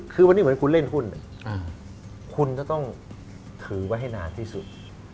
คือวันนี้เหมือนคุณเล่นหุ้นคุณจะต้องถือไว้ให้นานที่สุด